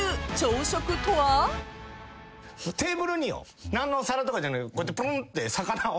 テーブルによ何の皿とかじゃなくこうやってぷるんって魚を。